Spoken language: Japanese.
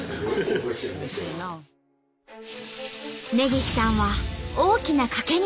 根岸さんは大きな賭けに出ることに。